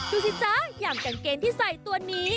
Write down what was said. สิจ๊ะอย่างกางเกงที่ใส่ตัวนี้